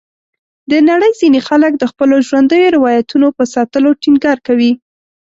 د نړۍ ځینې خلک د خپلو ژوندیو روایتونو په ساتلو ټینګار کوي.